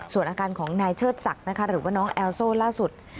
ส่วนอาการของนายเชิดศักดิ์นะคะหรือว่าน้องแอลโซ่ล่าสุด